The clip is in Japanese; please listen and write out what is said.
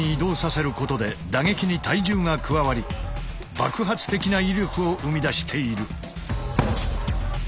爆発的な威力を生み出している。